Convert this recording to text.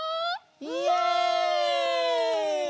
イエイ！